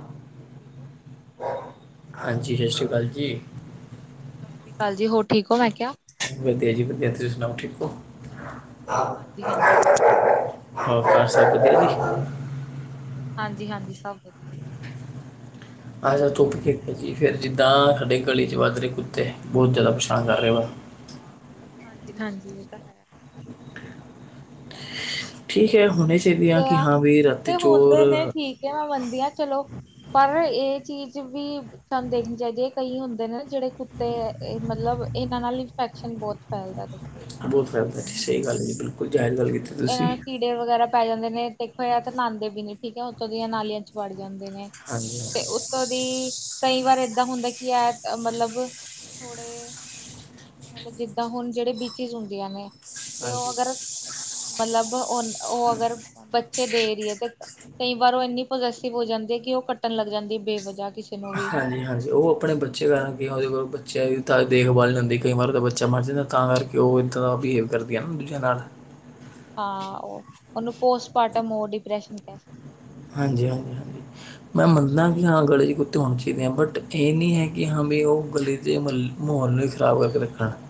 [inaudible] ਹਾਂਜੀ ਸਤਿ ਸ੍ਰੀ ਅਕਾਲ ਜੀ। ਸਤਿ ਸ਼੍ਰੀ ਅਕਾਲ ਜੀ। ਹੋਰ ਠੀਕ ਹੋ ਮੈਂ ਕਿਹਾਿਆ। ਵਧੀਆ ਜੀ ਵਧੀਆ ਤੁਸੀਂ ਸੁਣਾਓ ਠੀਕ ਹੋ। ਹਾਂ ਹਾਂਜੀ-ਹਾਂਜੀ ਮੈਂ ਪਾ ਸ ਕੁ। ਹਾਂਜੀ - ਹਾਂਜੀ ਸਭ ਵਧੀਆ ਜੀ। ਤੁਸੀਂ ਦੱਸੋ? ਆਹ ਧੁੱਪੀ ਫਿਰ ਜਿੱਦਾਂ ਸਾਡੇ ਗਲੀ ਚ ਵੱਧ ਰਹੇ ਕੁੱਤੇ ਬਹੁਤ ਜ਼ਿਆਦਾ। ਹਾਂ ਗ ਰ ਵ। ਹਾਂਜੀ - ਹਾਂਜੀ ਇਹ ਤਾਂ ਹੈ। ਠੀਕ ਏ ਹੁਣੇ। ਕੁੱਤਾ, ਕੁੱਤੇ ਹੁੰਦੇ ਨੇ ਠੀਕ ਆ ਮੈਂ ਮੰਨਦੀ ਹਾਂ ਚਲੋ ਪਰ ਇਹ ਚੀਜ਼ ਵੀ ਸਾਨੂੰ ਦੇਖਣੀ ਚਾਹੀਦੀ ਹੈ ਇਹ ਕਈ ਹੁੰਦੇ ਨੇ ਜਿਹੜੇ ਕੁੱਤੇ ਮਤਲਬ ਇਹਨਾਂ ਨਾਲ ਇਨਫੈਕਸ਼ਨ ਬਹੁਤ ਫੈਲਦਾ ਦੇਖੋ ਤਾਂ। ਬਹੁਤ ਫੈਲਦਾ ਏ। ਸਹੀ ਗੱਲ ਕੀਤੀ। ਬਿਲਕੁਲ ਹਾਂ। ਜਾਇਜ ਗੱਲ ਕੀਤੀ ਤੁਸੀਂ। ਇਹਨਾਂ ਨੂੰ ਵਗੈਰਾ ਪੈ ਜਾਂਦੇ ਨੇ ਦੇਖੋ ਯ ਤਾਂ ਨਾਂਦੇ ਵੀ ਨੇ ਠੀਕ ਹੈ ਉੱਤੋਂ ਦੀਆਂ ਨਾਲੀਆਂ ਚ ਵੜ ਜਾਂਦੇ ਨੇ। ਹਾਂਜੀ ਤੇ ਉੱਤੋਂ ਦੀ ਕਈ ਵਾਰ ਏਦਾਂ ਹੁੰਦਾ ਕੀ ਐ ਮਤਲਬ ਥੋੜੇ ਮਤਲਬ ਜਿੱਦਾਂ ਹੁਣ ਜਿਹੜੇ ਬੀਚਿਸ ਹੁੰਦੀਆਂ ਨੇ। ਤੇ ਉਹ ਹਾਂਜੀ ਅਗਰ ਮਤਲਬ ਉਹ ਉਹ ਅਗਰ ਬੱਚੇ ਦੇ ਰਹੀਏ ਤੇ ਕਈ ਵਾਰ ਉਹ ਇੰਨੀ ਪ੍ਰੋਜੈਸਿਵ ਹੋ ਜਾਂਦੀ ਹੈ ਕਿ ਉਹ ਕੱਟਣ ਲੱਗ ਜਾਂਦੀ ਹੈ ਬੇਵਜਾ ਕਿਸੇ ਨੂੰ ਵੀ। ਹਾਂਜੀ ਹਾਂਜੀ ਉਹ ਆਪਣੇ ਬੱਚੇ ਕਾਰਨ ਕਿਦੇ ਕੋਲ ਬੱਚਿਆਂ ਦੀ ਤਾਂ ਦੇਖਭਾਲ ਨਹੀਂ ਹੁੰਦੀ ਕਈ ਵਾਰ ਉਹਦਾ ਬੱਚਾ ਮਰ ਜਾਂਦਾ ਤਾਂ ਕਰਕੇ ਕਿ ਉਹ ਇੱਦਾਂ ਦਾ ਬਿਹੇਵ ਕਰਦੀਆਂ ਨਾ ਦੂਜਿਆਂ ਨਾਲ ਹਾਂ ਉਹ ਉਹਨੂੰ ਪੋਸਟਮਾਰਟਮ ਉਹ ਡਿਪਰੈਸ਼ਨ ਕਹਿ ਸਕਦੇ। ਆ ਹਾਂਜੀ ਹਾਂਜੀ ਹਾਂਜੀ ਮੈਂ ਮੰਨਦਾ ਕਿ ਹਾਂ ਗਲੀ ਦੇ ਕੁੱਤੇ ਹੋਣੇ ਚਾਹੀਦੇਆਂ ਬਟ ਇਹ ਨਹੀਂ ਹੈ ਕਿ ਹਾਂ ਵੀ ਉਹ ਗਲੀ ਦੇ ਮੱਲ ਮਾਹੌਲ ਨੂੰ ਵੀ ਖ਼ਰਾਬ ਕਰਕੇ ਰੱਖਣ। [inaudible]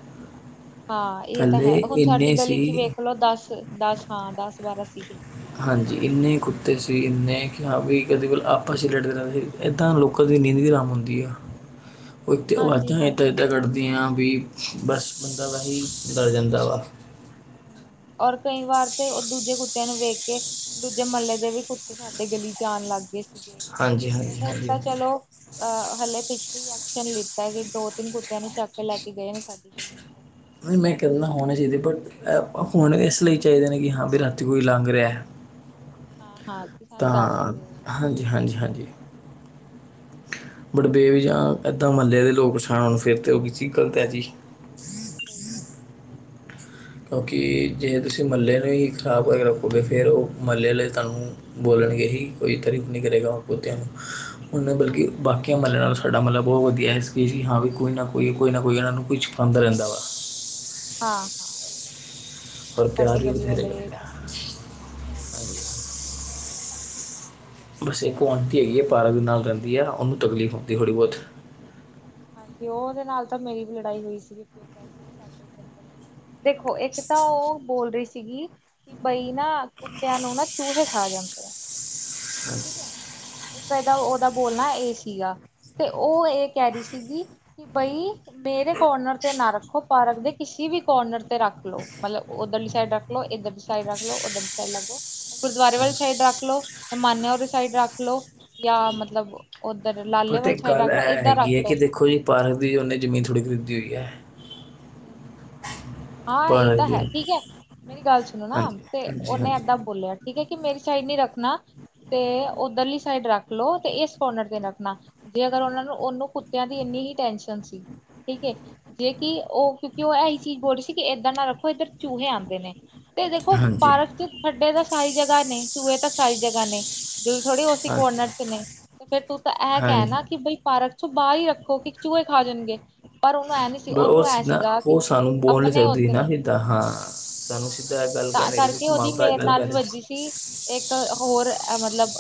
ਹਾਂ ਇਹ ਤਾਂ ਪਹਿਲੇ ਹੈ ਹੁਣ ਸਾਡੀ ਇੰਨੇ ਗਲੀ ਚ ਸੀ ਵੇਖ ਲਓ ਦਸ ਦਸ ਹਾਂ ਦਸ ਬਾਰਾਂ ਸੀਗੇ। ਹਾਂਜੀ ਇੰਨੇ ਕੁੱਤੇ ਸੀ ਇੰਨੇ ਹਾ ਵੀ ਕਦੇ ਕੋਲ ਆਪਸ 'ਚ ਹੀ ਲੜਦੇ ਰਹਿੰਦੇ ਸੀ। ਏਦਾਂ ਲੋਕਾਂ ਦੀ ਨੀਂਦ ਵੀ ਹਰਾਮ ਹੂੰਦੀ ਐ। ਉਥੇ ਹਾਂਜੀ ਆਵਾਜ਼ਾਂ ਹਾਂਜੀ ਏਦਾਂ-ਏਦਾਂ ਕਰਦੀਆਂ ਵੀ ਬਸ ਬੰਦਾ ਵੈਹੀ ਡਰ ਜਾਂਦਾ ਵਾ। ਹਾ ਔਰ ਕਈ ਵਾਰ ਤੇ ਦੂਜੇ ਕੁੱਤਿਆਂ ਨੂੰ ਵੇਖ ਕੇ ਦੂਜੇ ਮਹੱਲੇ ਦੇ ਵੀ ਕੁੱਤੇ ਸਾਡੇ ਗਲੀ ਆਣ ਲੱਗ ਗਏ ਸੀ ਹਾਂਜੀ ਹਾਂਜੀ ਹੁਣ ਹਾਂਜੀ ਤਾਂ ਹਾਂਜੀ ਚਲੋ ਅਹ ਹਲੇ ਪਿੱਛੇ ਈ ਐਕਸ਼ਨ ਲਿੱਤਾ ਕਿ ਦੋ ਤਿੰਨ ਕੁੱਤਿਆਂ ਨੂੰ ਚੱਕ ਲੈ ਕੇ ਗਏ ਨੇ ਸਾਡੀ ਗੱਲੀ ਤੋਂ ਮੈਂ ਕੇੰਨਾ ਹੋਣੇ ਚਾਹੀਦੇ ਬਟ ਹੋਣੇ ਇਸ ਲਈ ਚਾਹੀਦੇ ਨੇ ਕਿ ਹਾਂ ਵੀ ਰਾਤੀ ਕੋਈ ਲੰਘ ਰਿਹਾ। ਹਾਂ ਹਾਂ ਤੇ ਸਾਨੂੰ ਦੱਸ ਤਾਂ ਦਿਓ ਹਾਂਜੀ, ਹਾਂਜੀ, ਭੌਂਕਦੇ ਹਾਂਜੀ। ਵਗੈਰਾ ਹੂੰ ਬਟ ਬੇਵਜਾ ਏਦਾਂ ਮਹੱਲੇ ਦੇ ਲੋਕ ਪਰੇਸ਼ਾਨ ਹੋਣ ਤਾਂ ਫਿਰ ਤੇ ਓ ਵੀ ਚੀਜ ਗਲਤ ਹੈ ਜੀ। ਸਹੀ ਗੱਲ ਹੈ। ਸਹੀ ਗੱਲ ਹੈ। ਕਿਉਂਕਿ ਜੇ ਤੁਸੀਂ ਮਹੱਲੇ ਨੂੰ ਹੀ ਖਰਾਬ ਕਰਕੇ ਰੱਖੋਗੇ ਫਿਰ ਉਹ ਮਹੱਲੇ ਵਾਲੇ ਤੁਹਾਨੂੰ ਬੋਲਣਗੇ ਹੀ ਕੋਈ ਤਾਰੀਫ ਨਹੀਂ ਕਰੇਗਾ ਕੁੱਤਿਆਂ ਨੂੰ ਉਹਨਾ ਨੂੰ ਬਲਕਿ ਹਾਂਜੀ ਹਾਂਜੀ ਬਾਕੀਆਂ ਮਹੱਲਿਆਂ ਨਾਲ ਸਾਡਾ ਮਤਲਬ ਬਹੁਤ ਵਧੀਆ ਐਸ ਚੀਜ਼ ਲਈ ਹਾਂ ਵੀ ਕੋਈ ਨਾ ਕੋਈ ਕੋਈ ਨਾ ਕੋਈ ਇਹਨਾਂ ਨੂੰ ਕੁਛ ਖਵਾਂਦਾ ਰਹਿੰਦਾ ਵਾ। ਹਾਂ ਹਾਂ ਇਹ ਤਾਂ ਹੈ ਪਰ ਸਾਡੇ ਪਿਆਰ ਵੀ ਗਲੀ ਬਥੇਰੇ ਵਾਲੇ ਇਹ ਕਰਦੇ ਆ ਤਾਂ ਹੈਗੇ। ਹਾਂ ਪਿਆਰ ਹੀ ਬੱਚੇ ਦੇ ਕਰਦੇ ਨੇ ਕੁਤਿਆਂ ਨੂੰ ਸਹੀ ਗੱਲ। ਹੈ ਬਸ ਇੱਕ ਓ ਆਂਟੀ ਹੈਗੀ ਹੈ ਪਾਰਕ ਦੇ ਨਾਲ ਰਹਿੰਦੀ ਆ ਉਹਨੂੰ ਤਕਲੀਫ ਹੁੰਦੀ ਥੋੜ੍ਹੀ ਬਹੁਤ। ਹਾਂਜੀ ਉਹਦੇ ਨਾਲ ਤਾਂ ਮੇਰੀ ਵੀ ਲੜਾਈ ਹੋਈ ਸੀਗੀ ਉਹ ਕਹਿ ਸੀ ਵੀ ਸਾਡੇ ਇੱਧਰ ਨੀ ਬਢਣਾ। ਦੇਖੋ ਇੱਕ ਤਾਂ ਉਹ ਬੋਲ ਰਹੀ ਸੀਗੀ। ਕਿ ਬਈ ਨਾ ਕੁੱਤਿਆਂ ਨੂੰ ਨਾ ਚੂਹੇ ਖਾ ਜਾਂਦੇ ਆ। ਠੀਕ ਹੈ ਇੱਕ ਇਹਦਾ ਉਹਦਾ ਬੋਲਣਾ ਇਹ ਸੀਗਾ ਤੇ ਉਹ ਇਹ ਕਹਿ ਰਹੀ ਸੀਗੀ ਕਿ ਬਈ ਮੇਰੇ ਕੋਰਨਰ ਤੇ ਨਾ ਰੱਖੋ ਪਾਰਕ ਦੇ ਕਿਸੇ ਵੀ ਕੋਰਨਰ ਤੇ ਰੱਖ ਲੋੋ ਮਤਲਬ ਉੱਧਰ ਲੀ ਸਾਈਡ ਰੱਖ ਲੋ ਇੱਧਰ ਦੀ ਸਾਈਡ ਰੱਖ ਲਓ ਉੱਧਰ ਦੀ ਸਾਈਡ ਰੱਖ ਲੋ ਗੁਰਦੁਆਰੇ ਵਾਲੀ ਸਾਈਡ ਰੱਖ ਲੋ ਮਾਨਿਆ ਅੋਰੀ ਸਾਈਡ ਰੱਖ ਲੋ ਜਾਂ ਮਤਲਬ ਉੱਧਰ ਪਰ ਲਾਲੇ ਤੇ ਵਾਲੇ ਸਾਈਡ ਗੱਲ ਰੱਖ ਲੋ ਇਹ ਇੱਧਰ ਹੈਗੀ ਰੱਖ ਹੈ ਕਿ ਲੋ ਦੇਖੋ ਜੀ ਪਾਰਕ ਦੀ ਉਹਨੇ ਜ਼ਮੀਨ ਥੋੜੀ ਖਰੀਦੀ ਹੋਈ ਏ ਹੂੰ ਹੂੰ ਹੂੰ। ਹਾਂ ਇਹ ਪਾਰਕ ਤਾਂ ਦੀ ਹੈ ਠੀਕ ਐ ਮੇਰੀ ਗੱਲ ਸੁਣੋ ਨਾ ਹਾਂਜੀ ਤੇ ਹਾਂਜੀ ਉਹਨੇ ਹਾਂਜੀ ਏਦਾਂ ਬੋਲਿਆ ਠੀਕ ਐ ਕਿ ਮੇਰੀ ਸਾਈਡ ਨੀ ਰੱਖਣਾ ਤੇ ਉੱਧਰਲੀ ਸਾਈਡ ਰੱਖ ਲਓ ਤੇ ਇਸ ਕੋਰਨਰ ਤੇ ਰੱਖਣਾ ਜੇ ਅਗਰ ਉਹਨਾਂ ਨੂੰ ਉਹਨੂੰ ਕੁੱਤਿਆਂ ਦੀ ਏੰਨੀ ਹੀ ਟੈਨਸ਼ਨ ਸੀ ਠੀਕ ਹੈ ਜੇ ਕਿ ਉਹ ਕਿਉਂਕਿ ਉਹ ਇਹੀ ਚੀਜ਼ ਬੋਲ ਰਹੀ ਸੀ ਕਿ ਏਦਾਂ ਨਾ ਰੱਖੋ ਇੱਧਰ ਚੂਹੇ ਆਉਂਦੇ ਨੇ ਤੇ ਦੇਖੋ ਹਾਂਜੀ ਪਾਰਕ ਖੱਡੇ ਤਾਂ ਸਾਰੀ ਜਗ੍ਹਾ ਨੇ ਚੂਏ ਤਾਂ ਸਾਰੀ ਜਗ੍ਹਾ ਨੇ ਜਰੁਰੀ ਥੋੜ੍ਹੀ ਉਸੇ ਹਾਂਜੀ ਕੋਰਨਰ ਚ ਨੇ ਤੇ ਫਿਰ ਤੂੰ ਤਾਂ ਇਹ ਹਾਂਜੀ ਕਹਿਣਾ ਕਿ ਬਈ ਪਾਰਕ ਚੋਂ ਬਾਹਰ ਹੀ ਰੱਖੋ ਕਿ ਚੂਹੇ ਖਾ ਜਾਣਗੇ ਪਰ ਉਹਨੂੰ ਐਂ ਨੀ ਸੀ ਉਹਨੂੰ ਐ ਸੀ ਨਾ ਉਹ ਸਾਨੂੰ ਬੋਲ ਨੀ ਸਕਦੀ ਸੀ ਨਾ ਸਿੱਧਾ ਹਾਂ ਸਾਨੂੰ ਹਾਂ। ਸਿੱਧਾ ਇਹ ਗੱਲ ਕਹਿ ਦੇ ਸੀ ਮਾਂ ਭਰਾ ਗੱਲ ਕਹਿ ਰਹੇ ਸੀ ਜ ਇੱਕ ਹੋਰ ਮਤਲਬ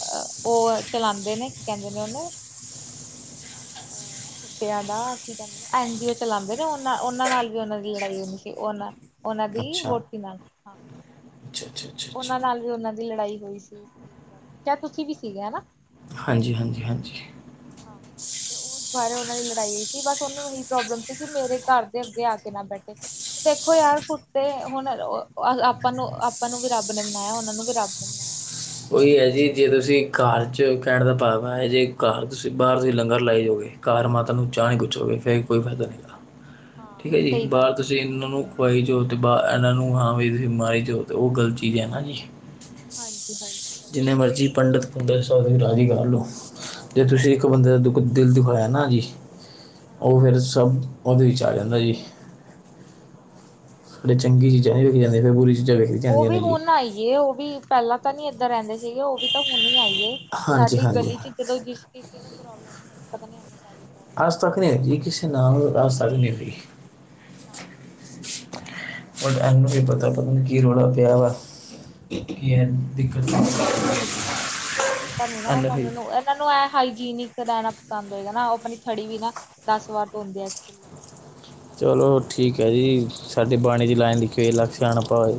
ਉਹ ਚਲਾਉਂਦੇ ਨੇ ਕੀ ਕਹੰਦੇ ਨੇ ਉਹਨੂੰ [inaudible] ਕੁੱਤਿਆ ਦਾ ਕੀ ਕਹਿੰਦੇ ਐਨ ਜੀ ਓ ਚਲਾਦੇ ਨੇ ਉ ਉਹਨਾਂ ਨਾਲ ਵੀ ਉਹਨਾਂ ਦੀ ਲੜਾਈ ਹੋਈ ਸੀ ਉਹਨਾਂ ਉਹਨਾਂ ਦੀ ਅੱਛਾ ਵੋਟੀ ਨਾਲ ਹਾਂ ਅੱਛਾ ਅੱਛਾ ਅੱਛਾ ਅੱਛਾ ਉਹਨਾਂ ਨਾਲ ਵੀ ਉਹਨਾਂ ਦੀ ਲੜਾਈ ਹੋਈ ਸੀ ਇਸ ਚੀਜ਼ ਬਾਰੇ ਚਾਹ ਤੁਸੀਂ ਵੀ ਸੀਗੇ ਹਨਾ। ਹਾਂਜੀ ਹਾਂਜੀ ਹਾਂਜੀ। ਹਾਂ ਤੇ ਉਸ ਬਾਰੇ ਉਹਨਾਂ ਦੀ ਲੜਾਈ ਸੀ ਬਸ ਉਨੂੰ ਇਹੀ ਪ੍ਰੋਬਲਮ ਸੀ ਕਿ ਮੇਰੇ ਘਰ ਦੇ ਅੱਗੇ ਆ ਕੇ ਨਾ ਬੈਠੇ ਦੇਖੋ ਯਾਰ ਕੁੱਤੇ ਹੁਣ ਆਪਾਂ ਨੂੰ ਆਪਾਂ ਨੂੰ ਵੀ ਰੱਬ ਨੇ ਬਣਾਇਆ ਉਹਨਾਂ ਨੂੰ ਵੀ ਰੱਬ ਨੇ ਬਣਾਇਆ। ਓਈ ਹੈ ਜੀ ਜੇ ਜਿੱਥੇ ਤੁਸੀਂ ਘਰ ਚ ਕਹਿਣ ਦਾ ਭਵਾ ਹੈ ਜੇ ਘਰ ਤੁਸੀਂ ਬਾਹਰ ਤੁਸੀਂ ਲੰਗਰ ਲਾਏ ਜਾਓਗੇ ਘਰ ਮਾਤਾ ਨੂੰ ਚਾਹ ਨੀ ਪੁਛੋਗੇ ਫਿਰ ਕੋਈ ਫਾਇਦਾ ਨੀਗਾ ਠੀਕ ਹਾਂ ਹੈ ਜੀ ਸਹੀ ਬਾਹਰ ਗੱਲ ਤੁਂ ਤੁਸੀਂ ਇਹਨਾਂ ਨੂੰ ਖਵਾਈ ਜਾਓ ਅਤੇ ਬਾ ਇਹਨਾਂ ਨੂੰ ਹਾਂ ਵੀ ਤੁਸੀਂ ਮਾਰੀ ਜਾਓ ਤਾਂ ਉਹ ਗਲਤ ਚੀਜ਼ ਹੈ ਨਾ ਜੀ। ਹਾਂਜੀ ਹਾਂਜੀ ਹਾਂਜੀ ਜਿੰਨੇ ਮਰਜ਼ੀ ਪੰਡਿਤ ਪੁਨਡਤ ਸਾਰੇ ਰਾਜੀ ਕਰ ਲਓ ਜੇ ਤੁਸੀਂ ਇੱਕ ਬੰਦੇ ਹਾਂਜੀ ਦਾ ਦੁੱਖ ਦਿਲ ਦੁਖਾਇਆ ਨਾ ਜੀ ਹਾਂ ਉਹ ਫਿਰ ਹਾਂ ਸਭ ਉਹਦੇ ਵਿੱਚ ਆ ਜਾਂਦਾ ਜੀ। ਫਿਰ ਚੰਗੀ ਹ ਚੀਜ਼ਾਂ ਨਹੀਂ ਵੇਖੀ ਜਾਂਦੀਆਂ ਫਿਰ ਬੁਰੀ ਚੀਜ਼ਾਂ ਵੇਖੀ ਉਹ ਜਾਂਦੀਆਂ ਵੀ ਨੇ ਜੀ ਹੁਣ ਆਈਏ ਉਹ ਵੀ ਪਹਿਲਾਂ ਤਾਂ ਨੀ ਏਧਰ ਰਹਿੰਦੇ ਸੀਗੇ ਉਹ ਵੀ ਤਾਂ ਹੁਣ ਹੀ ਆਈਏ ਹਾਂਜੀ ਸਾਡੀ ਹਾਂਜੀ ਗਲੀ ਚ ਜਦੋਂ ਜਿਸ ਕਿਸੇ ਨੂੰ ਪ੍ਰੋਬਲਮ ਨੀ ਹੈਗੀ ਪਤਾ ਨੀ ਉਹਨੂੰ ਕਾਦੀ ਅੱਜ ਤੱਕ ਨਹੀਂ ਹੈਗੀ ਕਿਸੇ ਨਾਲ ਅੱਜ ਤੱਕ ਨਹੀਂ ਹੋਈ। ਹਾਂਜੀ ਬ ਇਹਨੂੰ ਵੀ ਪਤਾ ਪਤਾ ਕੀ ਰੌਲਾ ਪਿਆ ਵਾ ਕੀ ਹੈ ਹਾਂ ਦਿੱਕਤ ਨੂੰ ਅਨ ਉਹਨਾਂ ਹੋਈ ਨੂੰ [unintelligible] ਉਹਨਾਂ ਨੂੰ ਇਹ ਹਾਈਜੀਨਿਕ ਰਹਿਣਾ ਪਸੰਦ ਹੋਏਗਾ ਨਾ ਉਹ ਆਪਣੀ ਥੜੀ ਵੀ ਨਾ ਦਸ ਵਾਰ ਧੋਂਦੇ ਆ ਐਕਚੁਲੀ ਦਿਨ ਚ ਚਲੋ ਠੀਕ ਏ ਜੀ ਸਾਡੇ ਬਾਣੀ 'ਚ ਲਾਈਨ ਲਿਖੀ ਲਖੱ ਸਿਆਨ ਪਾ ਹੋਵੇ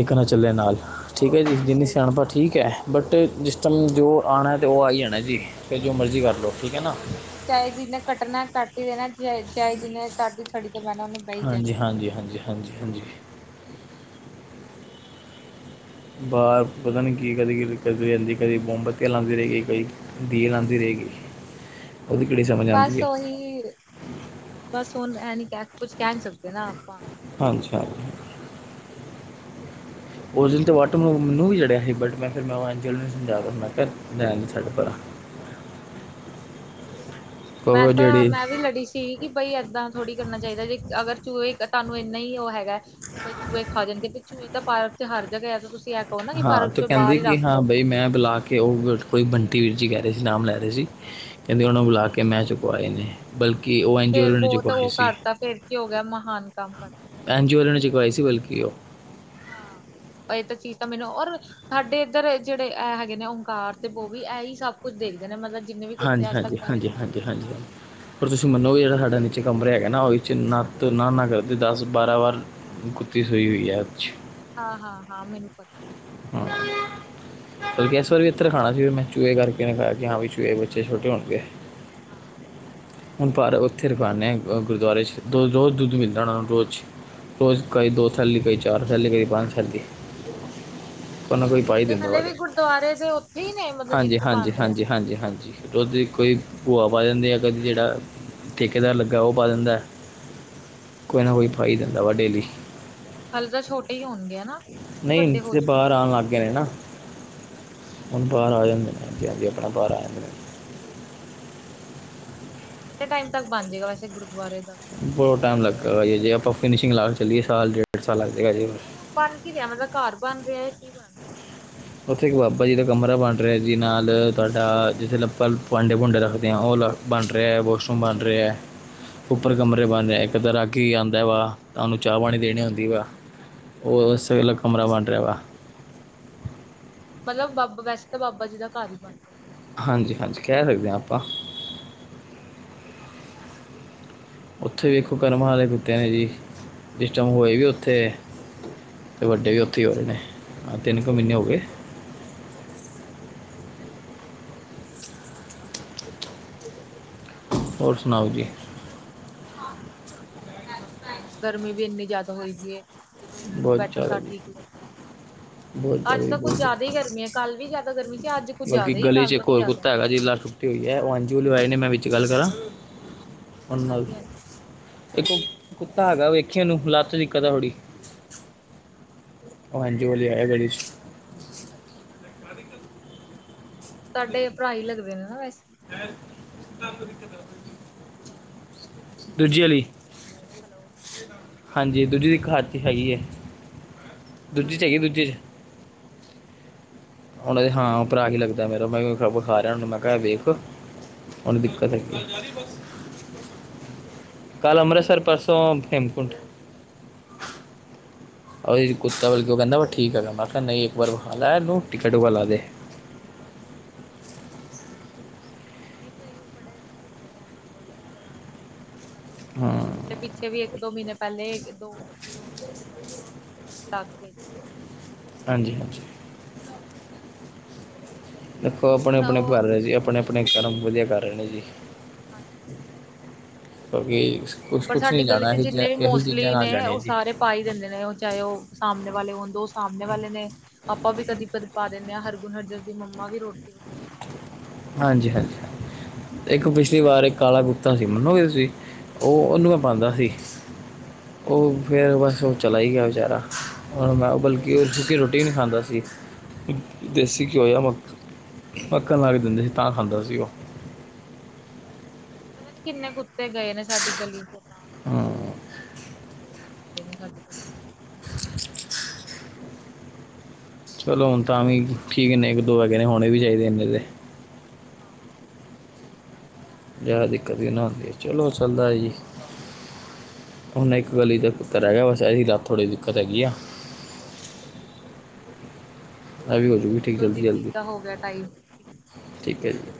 ਇਕ ਨਾ ਚੱਲਿਆ ਹਾਂ ਨਾਲ ਠੀਕ ਹੈ ਜੀ ਜਿੰਨੀ ਸਹੀ ਸਿਆਣ ਗੱਲ, ਪ ਸਹੀ ਠੀਕ ਗੱਲ। ਹੈ ਬਟ ਜਿਸ ਟਾਈਮ ਜੋ ਆਉਣਾ ਤਾਂ ਉਹ ਆ ਹੀ ਜਾਣਾ ਜੀ ਫੇਰ ਜੋ ਮਰਜ਼ੀ ਕਰ ਲਓ ਠੀਕ ਆ ਨਾ ਚਾਏ ਜਿੰਨੇ ਕੱਟਣਾ ਕੱਟ ਹੀ ਦੇ ਨਾ ਚ ਚਾਏ ਜਿੰਨੇ ਕੱਟ ਸੜੀ ਤੋਂ ਮੈਂ ਉਹਨੂੰ ਬਹਿ ਜਾਦਾਦਮ ਹਾਂਜੀ ਹਾਂਜੀ ਹਾਂਜੀ ਹਾਂਜੀ ਹਾਂਜੀ [unintelligible] ਬਾਹਰ ਪਤਾ ਨੀ ਕੀ ਕਦੇ ਕਿ ਕਰਦੀ ਰੈਦੀ ਕਦੀ ਮੋਮਬੱਤੀਆਂ ਲਾਦੀ ਰੇ ਗੀ ਕਈ ਦੀਏ ਲਾਂਦੀ ਰੈ ਗੀ ਬਸ ਉਹੀ ਬਸ ਹੁਣ ਇਹ ਨੀ ਕਹਿ ਕੁਛ ਕਹਿ ਨ ਸਕਦੇ ਨਾ ਆਪਾਂ ਕਿਸੇ ਦੇ ਹਾਂਜੀ ਹਾਂਜੀ ਕਿਸੇ ਨੂੰ ਪਾਂ ਓ ਦਿਨ ਤਾਂ ਵਟ ਮੈਨੂੰ ਵੀ ਚੜਿਆ ਸੀ ਬਟ ਮੈਂ ਫਿਰ ਮੈਂੰ ਆਚਲ ਨੂੰ ਸਮਝਾ ਕਰ ਮੈਂ ਕਿਆ ਰੈਣ ਦੇ ਛਡ ਪਰਾ ਹਾਂ ਉਹੀ ਤਾਂ ਮੈਂ ਕਹੋ ਤਾਂ ਜਿਹੜੀ ਮੈਂ ਵੀ ਲੜੀ ਸੀ। ਕਿ ਬਈ ਇੱਦਾਂ ਥੋੜ੍ਹੀ ਕਰਨਾ ਚਾਹੀਦਾ ਜੇ ਅਗਰ ਚੂਹੇ ਤੁਹਾਨੂੰ ਇੰਨਾ ਹੀ ਉਹ ਹੈਗਾ। ਕਿ ਬਈ ਚੂਹੇ ਖਾ ਜਾਂਣਗੇ ਚੂਹੇ ਦਾ ਪਾਰਕ ਤੇ ਹਰ ਜਗ੍ਹਾ ਹੈ ਤੁਸੀਂ ਕਹੋ ਨਾ ਕਿ ਹਾਂ ਪਾਰਕ ਤੇ ਚੋਂ ਕਹਿੰਦੀ ਬਾਹਰ ਹੀ ਕਿ ਰੱਖ ਹਾਂ ਦੋ। ਬਈ ਮੈਂ ਬੁਲਾ ਕੇ ਉਹ ਕੋਈ ਬੰਟੀ ਵੀਰ ਜੀ ਕਹਿ ਰਹੇ ਸੀ ਨਾਮ ਲੈ ਰਹੇ ਸੀ। ਹਾਂ ਹਾਂ ਹਾਂ ਕੈਂਦੀ ਉਹਨਾਂ ਨੂੰ ਬੁਲਾ ਕੇ ਮੈਂ ਚੁਕਵਾਏ ਨੇ ਬਲਕਿ ਉਹ ਐਨਜੀਓ ਫੇਰ ਵਾਲੇ ਨੇ ਬਹੁਤ ਚੁਕਵਾਏ ਉਹ ਸੀ ਕਰਤਾ ਫੇਰ ਕੀ ਹੋ ਗਿਆ ਮਹਾਨ ਕੰਮ ਕਰਤਾ ਜਿਹੜਾ ਸੁਣਾਈ ਐਨਜੀਓ ਜਾ ਵਾਲਿਆਂ ਨੇ ਰਹੀ ਚੁਕਵਾਈ ਸੀ ਬਲਕੀ ਉਹ ਹਾਂ ਇਹ ਤਾਂ ਚੀਜ਼ ਤਾਂ ਮੈਨੂੰ ਔਰ ਸਾਡੇ ਇੱਧਰ ਜਿਹੜੇ ਇਹ ਹੈਗੇ ਨੇ ਓਂਕਾਰ ਤੇ ਬੋਬੀ ਇਹ ਹੀ ਸਭ ਕੁੱਝ ਦੇਖਦੇ ਨੇ ਮਤਲਬ ਜਿੰਨੇ ਵੀ ਕੁੱਤੇ ਹਾਂਜੀ ਅਜ ਤੱਕ ਹਾਂਜੀ ਮਾਰੇ ਹਾਂਜੀ ਨੇ ਨਾ ਇਹੀ ਹਾਂਜੀ ਹਾਂਜੀ ਦਫਨਾ ਹਾਂਜੀ। ਦਫਨੋਂ ਕੇ ਆਉਂਦੇ ਨੇ ਤੇ ਜਿੰਨਾ ਤੁਰਨਾ ਨਾ ਮੈਂ ਘਰਦੇ ਦਸ ਬਾਰਾਂ ਵਾਰ ਕੁਤੀ ਸੁਈ ਹੋਈ ਐ 'ਚ ਹਾਂ ਹਾਂ ਹਾਂ ਮੈਨੂੰ ਪਤਾ। ਇਹ ਚੀਜ਼ ਹਾਂ ਦਾ ਹੂੰ ਬਲਕਿ ਇਸ ਵਾਰੀ ਵੀ ਤਰਖਾਣਾ ਵਿੱਚ ਵੀ ਚੂਹੇ ਕਰਕੇ ਲਗਾਇਆ ਵੀ ਕਿ ਹਾਂ ਬਾਈ ਚੂਹੇ ਬੱਚੇ ਛੋਟੇ ਹੋਣਗੇ, ਚੂਹੇ ਦੇ ਹਾਂ ਹਾਂ ਹੁਣ ਪਰ ਛੋਟੇ ਨੇ ਉੱਥੇ ਪਾਉਨੇ ਆ ਗੁਰਦੁਆਰੇ 'ਚ, ਦੋ ਰੋਜ਼ ਦੁੱਧ ਮਿਲਦਾ ਉਹਨਾਂ ਨੂੰ ਰੋਜ਼ ਰੋਜ਼ ਅੱਛਾ ਕਈ ਦੋ ਥੈਲੀ ਕਈ ਚਾਰ ਥੈਲੀ, ਕਦੇ ਪੰਜ ਥੈਲੀ ਕੋਈ ਨਾ ਕੋਈ ਪਾਈ ਤੇ ਦਿੰਦਾ ਹਲੇ ਵਾ ਜੀ ਵੀ ਗੁਰਦੁਆਰੇ ਦੇ ਉੱਥੇ ਹੀ ਨੇ, ਮਤਲਬ ਹਾਂਜੀ ਜਿੱਥੇ ਬਣ ਹਾਂਜੀ ਰਿਹਾ ਹਾਂਜੀ ਹਾਂਜੀ ਦੁੱਧ ਕੋਈ ਭੂਆ ਪਾ ਜਾਂਦੀ ਆ ਕਦੇ ਜਿਹੜਾ, ਠੇਕੇਦਾਰ ਲੱਗਾ ਉਹ ਪਾ ਜਾਂਦਾ ਕੋਈ ਨਾ ਕੋਈ ਪਾਈ ਜਾਂਦਾ ਵਾ, ਡੇਲੀ ਹੱਲ ਤਾਂ ਛੋਟੇ ਹੀ ਹੋਣਗੇ ਨਾ, ਕਿ ਵੱਡੇ ਹੋ ਚੁੱਕੇ। ਕਹਿ ਰੇ ਨਾ- ਅੱਛਾ ਅੱਛਾ ਹੁਣ ਬਾਹਰ ਆ ਜਾਂਦੇ ਨੇ ਹਾਂਜੀ ਹਾਂਜੀ, ਆਪਣਾ ਬਾਹਰ ਆ ਜਾਂਦੇ ਨੇ ਠੀਕ ਹੈ ਕਿੰਨੇ ਟਾਈਮ ਤੱਕ ਬਣ ਜਾਏਗਾ ਵੈਸੇ ਗੁਰਦੁਆਰੇ ਦਾ ਬਹੁਤ ਟਾਈਮ ਲੱਗ ਜੇ ਗਾ, ਆਪਾਂ ਫਿਨਸ਼ਿੰਗ ਲਾ ਕੇ ਚੱਲੀਏ ਸਾਲ ਡੇਢ ਸਾਲ ਲਗ ਜਾਏਗਾ ਜੇ ਨਹੀਂ ਬਣ ਕੀ ਰਿਹਾ ਮਤਲਬ, ਘਰ ਬਣ ਰਿਹਾ ਕੀ ਬਣ ਰਿਹਾ ਉੱਥੇ ਇੱਕ ਬਾਬਾ ਜੀ ਦਾ ਕਮਰਾ ਬਣ ਰਿਹਾ ਜੀ ਨਾਲ, ਤੁਹਾਡਾ ਜਿੱਥੇ ਲੱ ਆਪਾਂ ਭਾਂਡੇ ਭੂੰਡੇ ਰੱਖਦੇ ਹਾਂ ਉਹ ਲ ਬਣ ਰਿਹਾ, ਵਾਸ਼ਰੂਮ ਬਣ ਰਿਹਾ ਅੱਛਾ ਉੱਪਰ ਅੱਛਾ ਕਮਰੇ ਬਣਦੇ, ਇੱਕ ਤਾਂ ਰਾਗੀ ਆਉਂਦਾ ਵਾ ਉਹਨੂੰ ਚਾਹ ਪਾਣੀ ਦੇਣੀ ਆੰਦੀ ਵਾ ਅੱਛਾ ਉਹ ਅੱਛਾ ਉਸੇ ਕਮਰਾ ਬਣ ਰਿਹਾ ਵਾ ਓਕੇ ਓਕੇ, ਮਤਲਬ ਬਾਬਾ ਵੈਸੇ ਤਾਂ ਬਾਬਾ ਜੀ ਦਾ ਘਰ ਹੀ ਬਣ ਰਿਹਾ ਹੁਣ ਹਾਂਜੀ ਹਾਂਜੀ, ਕਹਿ ਸਕਦੇ ਹਾਂ ਆਪਾਂ ਉੱਥੇ ਵਖੋ, ਕਰਮਾਂ ਦੇ ਕੁੱਤੇ ਨੇ ਜੀ ਜਿਸ ਟਾਈਮ ਹਾਂ ਹਾਂ ਹੋਏ ਵੀ ਉੱਥੇ ਹਾਂ ਅਤੇ ਵੱਡੇ ਵੀ ਉੱਥੇ ਹੀ ਹੋਏ ਨੇ, ਹਾਂ ਤਿੰਨ ਕੁ ਮਹੀਨੇ ਹੋ ਗਏ ਅੱਛ, ਹਾਂਜੀ ਹਾਂਜੀ ਫੇਰ ਬੰਨੇ ਤੋਂ ਹੋਣਗੇ। ਹੋਰ ਸੁਣਾਓ ਜੀ ਹੋਰ ਸਭ ਕੁਛ ਬਸ ਵਧੀਆ, ਗਰਮੀ ਵੀ ਇੰਨੀ ਜ਼ਿਆਦਾ ਹੋਈ ਪਈ ਹੈ। ਜਦੋਂ ਏਸੀ ਚ ਬਹੁਤ ਬੈਠੋ ਜ਼ਿਆਦਾ ਤਾਂ ਜੀ ਠੀਕ ਲੱਗਦਾ ਹੈ। ਬਹੁਤ ਜ਼ਿਆਦਾ ਅੱਜ ਜੀ, ਤਾਂ ਕੁੱਝ ਬਹੁਤ ਜ਼ਿਆਦਾ ਹੀ ਗਰਮੀ ਹੈ ਕੱਲ੍ਹ ਵੀ ਜ਼ਿਆਦਾ ਗਰਮੀ ਸੀ, ਅੱਜ ਕੁੱਝ ਜ਼ਿਆਦਾ ਹੀ ਕੱਲ ਤੋਂ ਵੀ ਜ਼ਿਆਦਾ ਤੇ ਇਹ ਉਹ ਐਨਜੀਓ ਵਾਲੇ ਆਏ ਨੇ, ਮੈਂ ਬਾਦ ਵਿੱਚ ਗੱਲ ਕਰਾਂ ਉਹਨਾ ਨਾਲ ਹਾਂਜੀ ਹਾਂਜੀ ਇਕ ਉਹ ਕੁੱਤਾ ਹੈਗਾ, ਵੇਖੀ ਉਹਨੂੰ ਲੱਤ ਚ ਦਿੱਕਤ ਏ ਥੋੜੀ ਹਾਂਜੀ, ਆਇਆ ਗਲੀ ਚ ਅੱਛਾ ਅੱਛਾ ਅੱਛਾ ਤੁਹਾਡੇ ਭਰਾ ਹੀ ਲੱਗਦੇ ਨੇ ਨਾ ਵੈਸੇ, ਇਹ ਤੁਹਾਨੂੰ, ਮੈਂ ਦਿੱਕਤ ਦੱਸਦਾ ਦੂਜੀ ਵਾਲੀ ਹੈਲੋ ਹਾਂਜੀ ਦੂਜੇ ਦੇ ਇੱਕ ਹੱਥ ਚ ਹੈਗੀ ਹ, ਦੂਜੇ ਚ ਹੈਗੀ ਹਾਂਜੀ ਦੂਜੇ ਚ ਉਹਨਾਂ ਦੇ ਉਹ ਹਾਂ ਭਰਾ ਹੀ ਲੱਗਦਾ ਮੇਰਾ, ਮੈਂ ਵਿਖਾ ਰਿਹਾ ਮੈਂ ਕਿਹਾ ਏ ਵੇਖ ਹਾਂ ਉਹ ਹਾਂ ਦਿਕਤ ਹੈ ਕੱਲ੍ਹ ਅਮ੍ਰਿਤਸਰ, ਠੀਕ ਪਰਸੋਂ ਹੇਮਕੁੰਟ ਕੁੱਤਾ ਵ ਉਹ ਕਹਿੰਦਾ ਵਾ ਠੀਕ ਹੈ ਮੈਂ ਕਿਹਾ, ਨਹੀਂ ਇੱਕ ਵਾਰ ਵਿਖਾ ਲੈ ਕਟੂ ਵਾਲਾ ਲਾ ਦੇ ਹਾਂ ਹਾਂ ਨਹੀਂ ਕਈ ਬੜੇ ਅੱਛੇ ਹੁੰਦੇ ਨੇ ਐਨ ਜੀ ਓ ਵਾਲੇ, ਇੱਧਰ ਆ ਕੇ ਉਹ ਸਭ ਕੁੱਛ ਕਰਕੇ ਜਾਂ ਹਾਂ ਪਿੱਛੇ ਵੀ ਇੱਕ ਦੋ ਮਹੀਨੇ ਪਹਿਲੇ ਦੋ ਦੋ ਤਿੰਨ ਮੁੰਡੇ ਆਏ ਸੀ, ਉਹ ਟੀਕੇ ਟੁਕੇ ਲਾ ਕੇ ਗਏ ਸੀ ਕੁੱਤਿਆਂ ਨੂੰ ਹਾਂਜੀ ਹਾਂਜੀ ਦੇਖੋ ਆਪਣੇ ਹੁਣ ਆਪਣੇ ਉਹ ਕਰਮ ਰਹੇ ਜੀ, ਆਪਣੇ ਆਪਣੇ ਕਰਮ ਵਧੀਆ ਕਰ ਰਹੇ ਨੇ ਜੀ ਹਾਂਜੀ ਹਾਂਜੀ ਇਹ ਬਾਕੀ ਪਰ ਸਾਡੀ ਗਲੀ ਚ ਜਿੰਨੇ ਵੀ ਮੋਸਟਲੀ ਨੇ ਜਾਣੀਆਂ ਉਹ ਜੀ ਸਾਰੇ, ਪਾਾਈ ਦਿੰਦੇ ਨੇ, ਉਹ ਚਾਹੇ ਉਹ ਸਾਹਮਣੇ ਵਾਲੇ ਹੋਣ ਦ ਉਹ ਸਾਹਮਣੇ ਵਾਲੇ ਨੇ ਆਪਾਂ ਵੀ ਕਦੀ ਪ ਪਾ ਦਿੰਦੇ ਹਾਂ, ਹਰਗੁਨ, ਹਰਜਸ ਦੀ ਮੰਮਾ ਵੀ ਰੋਟੀ ਵਗੈ ਪਾ ਦਿੰਦੇ ਨੇ, ਹਾਂਜੀ ਜਿਦਾਂ ਹਾਂਜੀ ਮਤਲਬ ਕਦੇ ਸ ਦੀ ਪਾ ਤੀ ਜਿ ਮੰਨੋ ਹੋ ਗਏ ਸੀ ਉਹ ਉਹਨੂੰ ਮੈਂ ਪਾਂਦਾ ਸੀ। ਅੱਛਾ ਉਹ ਅੱਛਾ ਫਿਰ ਬਸ ਉਹ ਚਲਾ ਹੀ ਗਿਆ ਵਿਚਾਰਾ ਹ ਮੈਂ ਉਹ ਬਲਕਿ ਸੁੱਕੀ ਰੋਟੀ ਨਹੀਂ ਖਾਂਦਾ ਸੀ। ਅੱਛਾ ਦੇਸੀ ਘਿਓ ਜਾਂ ਮੱਖ ਮੱਖਣ ਲਾ ਕੇ ਦਿੰਦੇ ਸੀ ਤਾਂ ਖਾਂਦਾ ਸੀ ਉਹ ਪਤਾ ਨੀ ਕਿੰਨੇ ਕੁੱਤੇ ਗਏ ਨੇ ਸਾਡੀ ਗਲੀ ਤੋਂ ਤਾਂ ਹਾਂ [unintelligible] ਚਲੋ ਹੁਣ ਤਾਂ ਵੀ ਠੀਕ ਨੇ ਇੱਕ ਦੋ ਵ ਜਣੇ ਹੋਣੇ ਵੀ ਚਾਹੀਦੇ ਐਂਨੇ ਦੇ ਹਾਂ ਹੈ ਜ਼ਿਆਦਾ ਦਿੱਕਤ ਵੀ ਨਾ ਹੁੰਦੀ ਚਲੋ ਚੱਲਦਾ ਜੀ ਹੁਨੇ ਗਲੀ ਤਾਂ ਇਕ ਕੁੱਤਾ ਹਾਂ ਰਹਿ ਇਹ ਰਿਹਾ ਤਾਂ ਬਸ ਇਹੀ ਰਾਤ ਥੋੜ੍ਹੀ ਦਿੱਕਤ ਹੈਗੀ ਆ। ਹਾਂ। ਆ ਵੀ ਹੋਜੂਗੀ ਠੀਕ ਚਲੋ ਜੀ ਜਲਦੀ-ਜਲਦੀ ਠੀਕ ਆ ਹੋ ਗਿਆ ਟਾਈਮ ਠੀਕ ਹੈ ਜੀ ਥੈਂਕ ਯੂ। ਠੀਕ ਹੈ ਜੀ।